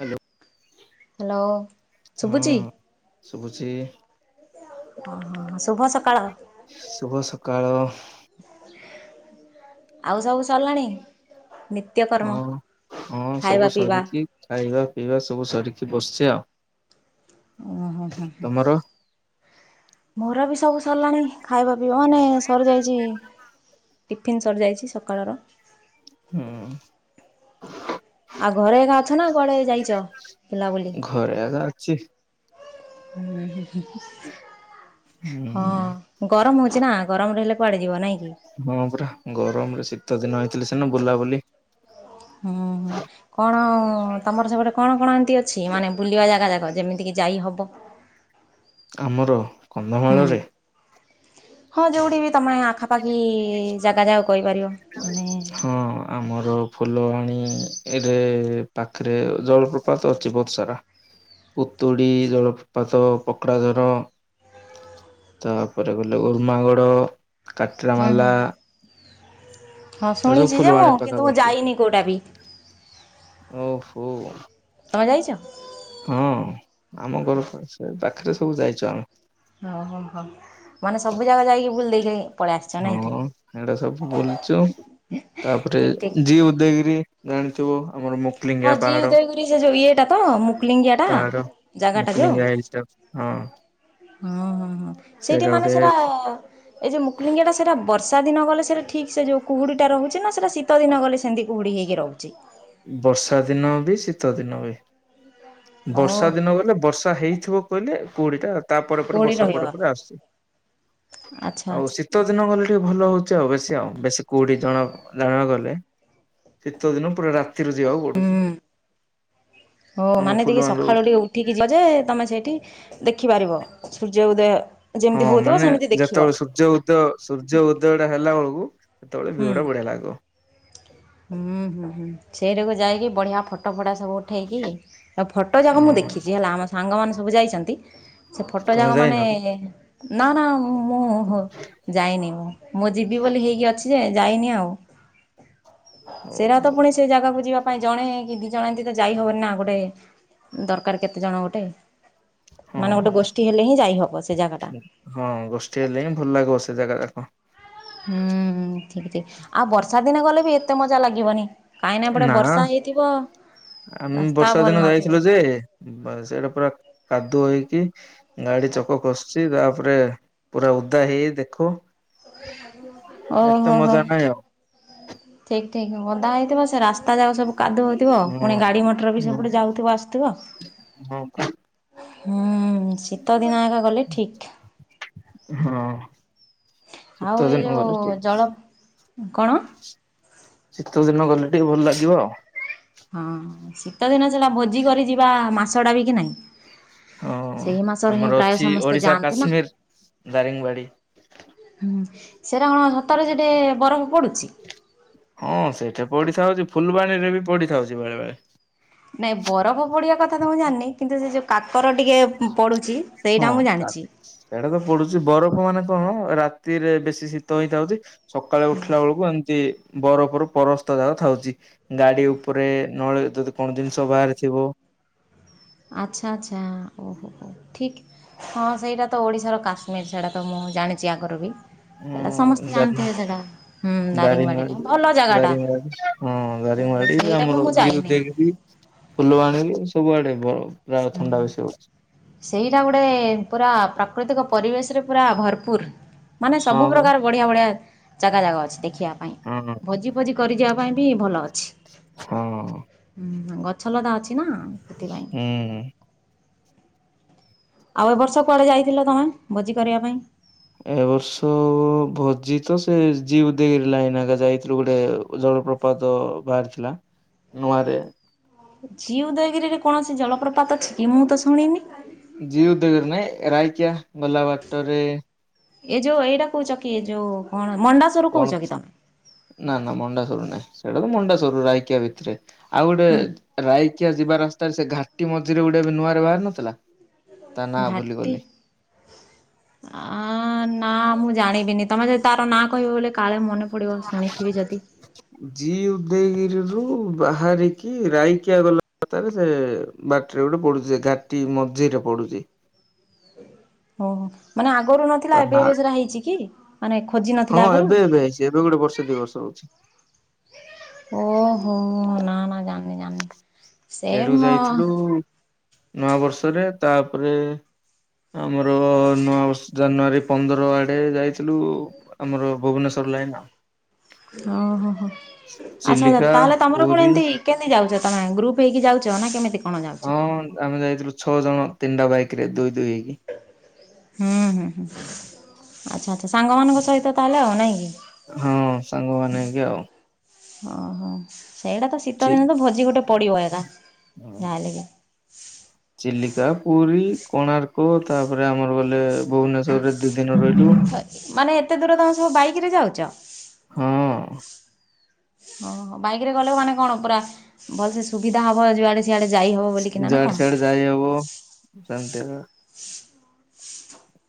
Hello. ଶୁଭୁଚି? ହଁ ଶୁଭୁଛି। [unintelligible] ଶୁଭସକାଳ। ଆଉ ସବୁ ସରିଲାଣି? ନିତ୍ୟକର୍ମ ହଁ ହଁ ଖାଇବା ସବୁ ପିଇବା ସରିକି ଖାଇବା ପିଇବା ସବୁ ସରିକି ବସିଛି ଆଉ। ଓ ହୋ ହ ତମର? ମୋର ବି ସବୁ ସରିଲାଣି ଖାଇବା ମାନେ ସରିଯାଇଛି, ଟିଫିନ୍ ସରିଯାଇଛି ସକାଳର। ହୁଁ। ଆଉ ଘରେ ଏକା ଅଛ ନା କୁଆଡେ ଯାଇଚ ବିଲାବୁଲି ଘରେ ଆକା ଅଛି ହୁଁ। ହଁ ଗରମ ହଉଛି ନା ଗରମ ରହିଲେ। ହଁ ପୁରା ଗରମରେ ଶୀତ ଦିନ ହେଇଥିଲି ସିନା ବୁଲାବୁଲି ହଁ ତମର ସେ ଗଟେ କଣ କଣ ଏମିତି ଅଛି ମାନେ ବୁଲିବା ଜାଗା ଯାକ ଯେମିତିକି ଯାଇ ହବ। ଆମର ହୁଁ କନ୍ଧମାଳରେ ହଁ ଯୋଉଠି ବି ତମେ ଆଖାପାଖି ଜାଗା ଜାଗା ହଁ ଆମର ଫୁଲ ଆଣି ଏରେ ପାଖରେ ଜଳପ୍ରପାତ ଅଛି ବହୁତ ସାରା। ପୁତୁଡ଼ି ଜଳପାତ ପର୍କଜର ତାପରେ ଗଲୁ ଉର୍ମାଗଡ ହୁଁ ହୁଁ କାଟ୍ରାମାଲା ହୁଁ ହଁ ଆ ଯଉ ଶୁଣିଛି ଯେ ମୁଁ ଫୁଲବାଣ କିନ୍ତୁ ମୁଁ ପକାପାଖି ଯାଇନି କୋଉଟା ବି ଓହୋ। ତମେ ଯାଇଚ ହଁ ଆମ ଘର ସେ ପାଖରେ ସବୁ ଯାଇଚ ଆମେ। ଓହୋ ହୋ। ମାନେ ସବୁ ଜାଗା ଯାଇକି ବୁଲି ଦେଇକି ପଳେଇ ଆସିଛ ନାଇଁକି। ହଁ ଏଇଟା ସବୁ ବୁଲିଛୁ ତାପରେ ଜି ଉଦୟଗିରି ଜାଣିଥିବ ଆମର ହଁ ମୁକ୍ଲିଙ୍ଗିଆ ଜି ପାହାଡ। ଉଦୟଗିରି ସେ ଯୋଉ ଇଏଟା ମୁକ୍ଲିଙ୍ଗିଆଟା ପାହାଡ ଜାଗାଟା ଯଉ ମୁକ୍ଲିଙ୍ଗିଆ ହିଲ୍ସ ହଁ ହୁଁ ହୁଁ ହୁଁ ସେଇଠି ମାନେ ସେଇଟା ଏଇ ଯୋଉ ମୁକୁଲିଙ୍ଗିଆ ଟା ସେଟା ବର୍ଷା ସୀତା ଦିନ ଗଲେ ସେଇଟା ଠିକ୍ ସେ ଯେଉଁ କୁହୁଡ଼ିଟା ରହୁଛି ନା ସେଇଟା ଶୀତ ଦିନ ଗଲେ ସେମିତି କୁହୁଡ଼ି ହେଇକି ରହୁଛି। ବର୍ଷା ଦିନ ବି ଶୀତ ଦିନ ବି ଓ ବର୍ଷା ଦିନ ଗଲେ ବର୍ଷା ହେଇଥିବ କହିଲେ କୋଉଡିଟା ତାପ ପରେ କୁହୁଡ଼ି ବର୍ଷା ରହିବ ପରେ ପରେ ଆସୁଛି ଆଚ୍ଛା ଆଉ ଆଚ୍ଛା। ଶୀତ ଦିନ ଗଲେ। ଭଲ ହଉଛି ଆଉ ବେଶୀ ଆଉ ବେଶୀ କୋଉଠି ଜଣ ଜାଣିବାକୁ ଗଲେ ଶୀତ ଦିନ ପୁରା ରା ରୁ ଯିବାଉ ପଡୁଛି। ହଉ ଆମ ମାନେ ଟିକେ ଫୁଲବାଣୀରୁ ସକାଳୁ ଟିକେ ଉଠିକି ଯିବ ଯେ ତମେ ସେଇଠି ଦେଖିପାରିବ। ଜଉଦୟ ହଁ ମାନେ ଯେତେବେଳେ ସୂର୍ଯ୍ୟ ଉଦୟ ସୂର୍ଯ୍ୟ ଉଦୟଟା ହେଲା ବେଳକୁ ସେତେବେଳେ ହୁଁ ଭିଉଟା ବୁଢିଆ ଲାଗବ। ହୁଁ ହୁଁ ହୁଁ ସେଇଠାକୁ ଯାଇକି ବଢିଆ ଫଟୋ ସବୁ ଉଠାଇକି ଆ ଫଟୋ ଯାକ ମୁଁ ହଁ ଦେଖିଛି ହେଲା ଆମ ସାଙ୍ଗମାନେ ସବୁ ଯାଇଛନ୍ତି। ସେ ଫଟୋ ତମେ ଯାକ ଯାଇନ ମାନେ କି? ନା ନା। ମୁଁ ହୋ ଯାଇନି ମୁଁ ମୁଁ ଯିବି ବୋଲି ହେଇକି ଅଛି ଯେ ଯାଇନି ଆଉ ହଉ ସେରାତ ହଉ ପୁଣି ସେ ଜାଗାକୁ ପାଇଁ ଜଣେ କି ଦି ଜଣ ଏତି ତ ଯାଇ ହବନି ନା ଗୋଟେ ଦରକାର କେତେ ଜଣ ଗୋଟେ ମାନେ ଗୋଟେ ହଁ ଗୋଷ୍ଠୀ ହେଲେ ହିଁ ଯାଇହବ ସେ ଜାଗାଟା ହଁ ଗୋଷ୍ଠୀ ହେଲେ ହିଁ ଭଲ ଲାଗିବ ସେ ଜାଗା ଯାକ। ହୁଁ ଠିକ ଠିକ ଆଉ ବର୍ଷା ଦିନେ ଗଲେ ବି ଏତେ ମଜା ଲାଗିବନି। କାହିଁକି ଏପଟେ ବର୍ଷା ହେଇଥିବ। ଁ ଆମେ ରାସ୍ତା ବର୍ଷା ଭଲ ଦିନ ନଥିବ ଯାଇଥିଲୁ ଯେ ସେଇଟା ପୁରା କାଦୁଅ ହେଇକି ଗାଡି ଚକ ପୋକ ଖସୁଛି ତାପରେ ପୁରା ଉଦା ହେଇ ଦେଖ। ଓହୋ ହୋ ନାହିଁ ଆଉ ଠିକ୍ ଅଦା ହେଇଥିବ ସେ ରାସ୍ତା ଯାକ କାଦୁ ହଉଥିବ ପୁଣି ହଁ। ଗାଡି ମଟର ବି ହୁଁ ସେପଟେ ଯାଉଥିବ ଆସୁଥିବ। ହଁ ହୁଁ ଶୀତ ଦିନଯାକ ଗଲେ ଠିକ ହଁ। ଶୀତ ଆଉ ଏଇ ଦିନ ଗଲେ ଯୋଉ ଠିକ ଜଳ କଣ? ଶୀତ ଦିନ ଗଲେ ଟିକେ ଭଲ ଲାଗିବ ଆଉ। ହଁ ଶୀତ ଦିନ ଥିଲା ଭୋଜି କରିଯିବା ମାସ ଟା ବିକି ନାହିଁ। ହଁ ସେଇ ମାସରେ ହିଁ ପ୍ରାୟ ସମସ୍ତେ ଯାଆନ୍ତି ନା। ଦାରିଙ୍ଗବାଡ଼ି। ସେଇଟା କଣ ସତରେ ସେଠି ବରଫ ପଡ଼ୁଚି। ହଁ ସେଇଠି ପଡିଥାଉଛି ଫୁଲବାଣୀ ରେ ବି ପଡିଥାଉଛି ବେଳେ ବେଳେ ନାଇଁ ବରଫ ପଡିିବା କଥା ତ ମୁଁ ଜାଣିନି କିନ୍ତୁ ସେ ଯୋଉ କା ପର ଟିକେ ପଡୁଛି ହଁ ସେଇଟା ମୁଁ କା ଜାଣିଚି। କ ହଁ ରାତିରେ ବେଶୀ ଶୀତ ହେଇଥାଉଛି ସକାଳେ ଉଠିଲା ବେଳକୁ ଏମିତି ବରଫରୁ ପରସ୍ତ ଯାକ ଥାଉଛି ଗାଡି ଉପରେ ନ ଯଦି କଣ ଜିନିଷ ବାହାରିଥିବ ଆଚ୍ଛା ଆଚ୍ଛା ଓହୋହୋ ଠିକ ହଁ ସେଇଟା ତ ଓଡ଼ିଶାର କାଶ୍ମୀର ସେଇଟା ତ ମୋ ମୁଁ ଜାଣିଛି ଆଗରୁ ବି ସେଇଟା ହୁଁ ସମସ୍ତେ ଦାରିଙ୍ଗ ଜାଣିଥିବେ ସେଇଟା ହୁଁ ଦାରିଙ୍ଗବାଡ଼ିଟା ଦାରିଙ୍ଗବାଡି ଭଲ ଜାଗାଟା। ଦାରିଙ୍ଗବାଡି ହଁ ଦାର ଦାରିଙ୍ଗବାଡି ସେଇଟା ବି ଆମର ମୁଁ ଝିଅ ଯାଇନି। ଦେଇକି ଫୁଲ ଆଣିଲୁ ସବୁ ଆଣିଲୁ। ହୁଁ ସେଇରା ଗୁଡ଼େ ପୁରା ପାପ ପ୍ରାକୃତିକ ପରିବେଶରେ ପୁରା ଭରପୁର ମାନେ ହଁ ସବୁ ପରା। ପ୍ରକାର ବଢିଆ ବଢିଆ ଜାଗା ଜାଗା ଅଛି ଦେଖ ଦେଖିବା ପାଇଁ ହଁ ଭୋଜି ଫୋଜି କରିଯିବା ପାଇଁ ବି ଭଲ ଅଛି। ହଁ ଅଁ ଗଛଲତା ଅଛି ନା ସେଥିପାଇଁ। ହୁଁ। ଆଉ ଏବର୍ଷ କୁଆଡେ ଯାଇଥିଲ ତମେ ଭୋଜି କରିବା ପାଇଁ। ଏ ବର୍ଷ ଭୋଜି ତ ସେ ଯିବ ଦେକିରି ଲାଇନ ଘରିକା ଯାଇଥିଲୁ ଗୋଟେ ପ୍ରପାତ ବାହାରିଥିଲା ନୂଆରେ ଜିଉଦୟଗିରିରେ କୌଣସି ଜଳପ୍ରପାତ ଅଛି କି ମୁଁ ତ ଶୁଣିନି। ଜି ଉଦୟଗିରି ନାଇଁ ରାଇକିଆ ଗଲା ବାଟରେ ଏ ଏ ଯୋଉ ଏଇଟା କହୁଛ କି ଏ ଯୋଉ କଣ? ମଣ୍ଡାସରୁ କଣ କହୁଛ କି ତମେ? ନା ନା ମଣ୍ଡାସର ନାଇଁ ସେଇଟା ତ ମଣ୍ଡାସର ରାଇକିଆ ଭିତରେ। ଆଉ ଗୋଟେ ହୁଁ ରାଇକିଆ ଯିବା ରାସ୍ତାରେ ସେ ଘାଟି ମଝିରେ ଗୋଟେ ଏ ନୂଆରେ ବାହାରି ନଥିଲା। ତା ନାଁ ଘାଟି ଭୁଲିଗଲି ଆ ନା ମୁଁ ଜାଣିବିନି। ତମେ ଯଦି ତାର ନାଁ କହିବ ବଲେ ଜି ଉଦୟଗିରି ରୁ ରୁ ବାହାରିକି ରାଇକିଆ ଗଲା ବାଟରେ ସେ ବାଟରେ ଗୋଟେ ପଡୁଛି ଘାଟି ମଝିରେ ପଡୁଚି। ଓହୋ ମାନେ ଆଗରୁ ତା ନଥିଲା ଏବେ ନା ଏବେ ସେଟା ହେଇଛି କି? ମାନେ ଖୋଜି ହଁ ନଥିଲା ଆଗରୁ? ଏବେ ଏବେ ହେଇଛି ଏବେ ଗୋଟେ ବର୍ଷେ ଦି ବର୍ଷ ହଉଛି। ଓହୋ ନା ନା ଜାନି ସିଆଡ଼କୁ ଯାଇଥିଲୁ ନୂଆ ବର୍ଷରେ ତାପରେ ଆମର ନୂଆବର୍ଷ ଜାନୁଆରୀ ପନ୍ଦର ଆଡେ ଯାଇଥିଲୁ ଆମର ଭୁବନେଶ୍ଵର କର ଲାଇନ। ଓହୋ ହୋ ଆଚ୍ଛା ଆଛା ଚିଲିକା ତାହେଲେ ତମର କଣ ପୁରୀ ଏମିତି କେମତି ଯାଉଚ। ଅଁ ଗ୍ରୁପ ହେଇକି ଯାଉଛ ନା କେମିତି? କଣ ଯାଉଛ? ହଁ ଆମେ ଯାଇଥିଲୁ ଛଅ ଜଣ ତିନିଟା ବାଇକ ରେ ଦୁଇ ଦୁଇ ହେଇକି ହୁଁ ହୁଁ ହୁଁ ଆଚ୍ଛା ଆଛା ସାଙ୍ଗ ମାନଙ୍କ ସହିତ ତାହେଲେ ଆଉ ନାଇଁ କି ହଁ ସାଙ୍ଗମାନେ ନେଇକି ଆଉ ଓ ହୋ, ସେଇଟା ତ ଶୀତ ଚି ଦିନ ତ ଭୋଜି ଗୋଟେ ପଡିବ ଏକା ଯାହା ହେଲେ ବି। ଚିଲିକା ପୁରୀ କୋଣାର୍କ ତାପରେ ଆମର ଗଲେ ଭୁବନେଶ୍ଵରରେ ଦି ଦିନ ରହିଲୁ ମାନେ ଏତେ ଦୂର ତମେ ସବୁ ବାଇକ ରେ ଯାଉଚ। ହଁ ଅଁ ଓହ ବାଇକ ରେ ଗଲେ ମାନେ କଣ ପୁରା ଭଲସେ ସୁବିଧା ହବ ଜୁଆଡେ ଯୁଆଡେ ସିଆଡେ ଯାଇହବ ସ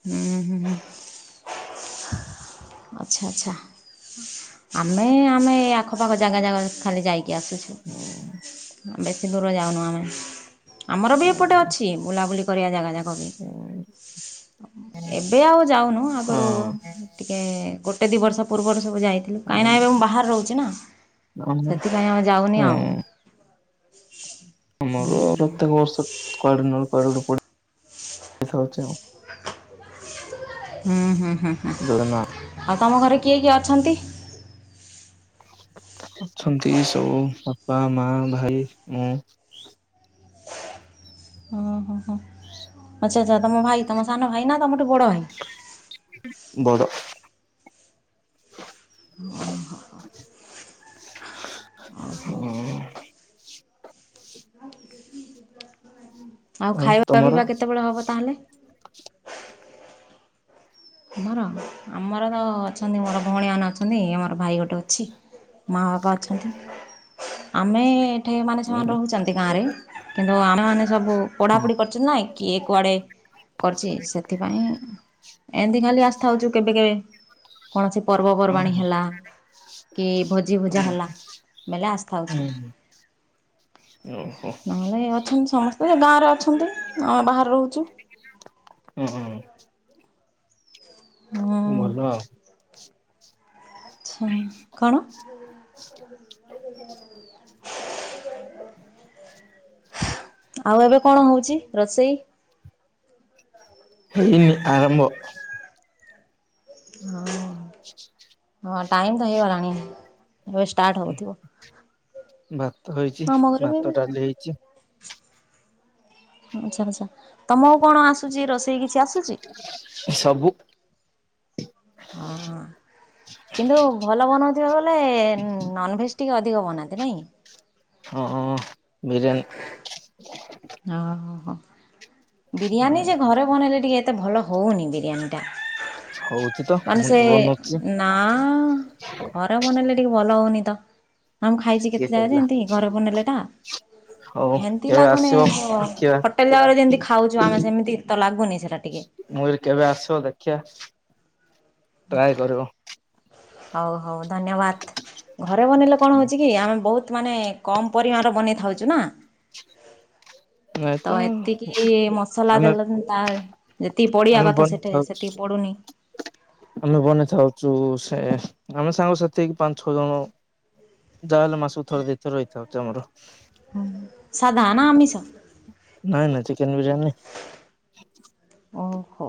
ହୁଁ ହୁଁ, [inaudible] ଆଚ୍ଛା ଆଚ୍ଛା। ଆମେ ଆମେ ଆଖପାଖ ଜାଗା ଜାଗା ଖାଲି ଯାଇକି ଆସୁଛୁ। ହଁ ବେଶି ଦୂର ଯାଉନୁ ଆମେ ଆମର ବି ଏପଟେ ଅଛି ବୁଲାବୁଲି କରିବା ଜାଗା ଯାକ ବି। ଏବେ ଆଉ ଯାଉନୁ ହଁ ଆଗରୁ ଟିକେ ଗୋଟେ ଦି ବର୍ଷ ପୂର୍ବରୁ ସବୁ ଯାଇଥିଲୁ କାହିଁକିନା ଏବେ ମୁଁ ବାହାରେ ରହୁଛି ନା ସେଥିପାଇଁ ଆମେ ଯାଉନି ଆଉ। ହଁ ଆମର ପ୍ରତ୍ୟେକ ବର୍ଷ କୁଆଡେ ନା କୁଆଡ଼େ ପଡ଼ି [unintelligible] ଯାଉଛି। ହୁଁ ହୁଁ ହୁଁ ଯୋଜନା ହୁଁ। ତମ ଘରେ କିଏ କିଏ ଅଛନ୍ତି? ଅଛନ୍ତି ସବୁ ବାପା ମା ଭାଇ ମୁଁ। ଓ ହୋ ହୋ। [inaudible] ଆଚ୍ଛା ଆଚ୍ଛା ତମ ଭାଇ ତମ ସାନ ଭାଇ ନା ତମ ବଡ଼। ଓ ହୋ। ଓ। ଆଉ ଖାଇବା ପିଇବା କେତେବେଳେ ହବ ତାହେଲେ ଆମର ଆମର ତ ଅଛନ୍ତି ମୋର ଭଉଣୀମାନେ ଅଛନ୍ତି ଆମର ଭାଇ ଗୋଟେ ଅଛି। ମା ବାପା ଅଛନ୍ତି ଆମେ ଏଠି ମାନେ ସେମାନେ ହଁ ରହୁଛନ୍ତି ଗାଁ ରେ କିନ୍ ନ୍ତୁ ଆମେ ମାନେ ସବୁ ପଢାପଢ଼ି କରିଛନ୍ତି ନା କିଏ କୁଆଡେ କରିଛି ସେଥିପାଇଁ ଏମିତି ଖାଲି ଆସିଥାଉଛୁ କେବେ କେବେ କୌଣସି ପର୍ବପର୍ବାଣି ଓହୋ ହେଲା କି ଭୋଜି ଭୋଜା ହେଲା ବେଲେ ଆସିଥାଉ। ଓହୋ ନହେଲେ ଏ ଅଛନ୍ତି ସମସ୍ତେ ଗାଁ ରେ ଅଛନ୍ତି ଆମେ ବାହାରେ ରହୁଛୁ। ହୁଁ ହୁଁ। ଭଲ ଆଉ। ଆଚ୍ଛା କଣ? [inaudible] ଆଉ ଏବେ କଣ ହଉଛି ରୋଷେଇ? ହେଇନି ଆରମ୍ଭ। ହଁ ହଁ ଟାଇମ ତ ହଇ ଗଲାଣି। ଏବେ ଷ୍ଟାର୍ଟ ହଉଥିବ। ଭାତ ହେଇଛି ଭାତ ଡାଲି ହେଇଛି ଆଚ୍ଛା ଆଚ୍ଛା ତମକୁ କଣ ଆସୁଛି ରୋଷେଇ କିଛି ଆସୁଛି। ସବୁ ହଁ ହଁ। କିନ୍ତୁ ଭଲ ବନଉଥିବା ବେଲେ ନନଭେଜ ଟିକେ ଅଧିକ ବନାନ୍ତି ନାଇଁ। ହଁ ହଁ ବିରିୟାନୀ। ଓ ହୋ ହୋ ବିରିୟାନୀ ଯେ ଘରେ ବନେଇଲେ ଟିକେ ଏତେ ଭଲ ହଉନି ବିରିୟାନୀ ଟା। ହଉ। ମାନେ ସେ ନା ଘରେ ବନେଇଲେ ଟିକେ ଭଲ ହଉନି ତ। ନା ମୁଁ ଖାଇଛି କିଏ କେତେ ଜାଗା କହିଲା ଯେମିତି ଘରେ ବନେଇଲେ ଟା ହଉ ହେମତି କେବେ ଲାଗୁନି। ଆସିବ ଓ ଦେଖିବା ହୋଟେଲ ଜାଗାରେ ଯେମତି ଖାଉଛୁ ଆମେ ସେମିତି ତ ଲାଗୁନି ସେଇଟା ଟିକେ। କା ଟ୍ରାଏ କରିବ। ହଉ ହଉ ଧନ୍ୟବାଦ ଘରେ ବନେଇଲେ କଣ ହଉଛି କି ଆମେ ବହୁତ ମାନେ କମ ପରିମାଣରେ ବନେଇ ଥାଉଛୁ ନା। ତ ଏତିକି ମସଲା ଆମେ ଦେଲତା ଯେ ଆମେ ବନେଇଥାଉଛୁ ଆମେ ବନେଇଥାଉଛୁ ସେ ଆମେ ସାଙ୍ଗ ସାଥି ପାଞ୍ଚ ଛଅ ଜଣ ଯାହାହେଲେ ମାସକୁ ଥରେ ଦିଥରେ ହେଇ ଯାଉଛି ଆମର। ସାଧା ନା ଆମିଷ ନାଇ ନାଇ ଚିକେନ ବିରିୟାନୀ ହଁ।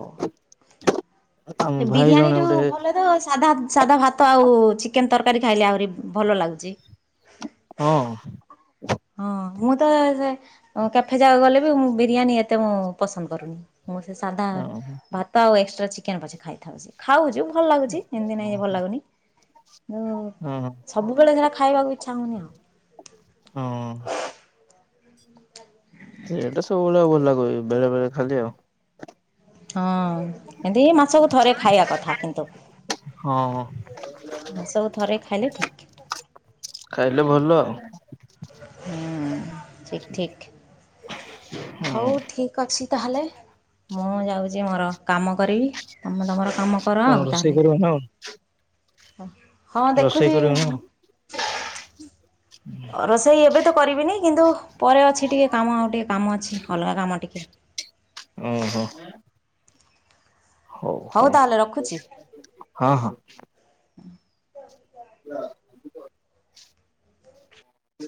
ଆମ ସେ ଭାଇ ବିରିୟାନୀ ଜଣେ ରୁ ଗୋଟେ ଭଲ ଦବ ସାଧା ସାଧା ଭାତ ଆଉ ଚିକେନ ତରକାରୀ ଖାଇଲେ ଆହୁରି ଭଲ ଲାଗୁଚି। ହଁ ହଁ। ହଁ ମୁଁ ତ ସେ ଅ କ୍ୟାଫେ ଯାକ ଗଲେ ବି ମୁଁ ବିରିୟାନୀ ଏତେ ମୁଁ ପସନ୍ଦ କରୁନି। ମୁଁ ସେ ସାଧା ହଁ ଭାତ ଆଉ ଏକ୍ସଟ୍ରା ଚିକେନ୍ ପଛେ ଖାଇଥାଉଚି। ଖାଉଚୁ ଭଲ ଲାଗୁଚି ଏମିତି ନାଇଁ ଭଲ ଲାଗୁନି ଉଁ ହଁ ସବୁବେଳେ ଏକା ହଁ। ସେ ଏଟା ସବୁବେଳେ ଲାଗୁ ହୁଏ ବେଳେ ବେଳେ ଖାଲି ଆଉ ହଁ ଏମିତି ମାସକୁ ଥରେ ଖାଇବା କଥା କିନ୍ତୁ। ହଁ ମାସକୁ ଥାରେ ଖାଇଲେ ଠିକ୍। ଖାଇଲେ ଭଲ ଆଉ। ହୁଁ ଠିକ ଠିକ ହଉ ହଁ ଠିକ ଅଛି। ତାହେଲେ ମୁଁ ଯାଉଛି ମୋର କାମ କରିବି ତମେ ତମର କାମ କର କଣ ଆଉ ରୋଷେଇ ତାହେଲେ। କରିବ ନା କଣ? ହଁ ରୋଷେଇ ଦେଖୁଛି କରିବ ନା କଣ? ରୋଷେଇ ଏବେ ତ କରିବିନି କିନ୍ତୁ ପରେ ଅଛି ଟିକେ କାମ ଆଉ ଟିକେ କାମ ଅଛି ଅଲଗା କାମ ଟିକେ। ଓ ହୋ। ହଉ ହଉ ତାହେଲେ ରଖୁଛି ହଁ ହଁ।